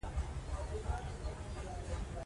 پښتو ژبه به زموږ په دې لاره کې ملګرې وي.